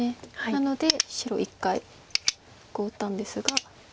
なので白一回こう打ったんですが。